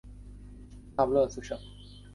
那不勒斯省是意大利人口最密集的省份。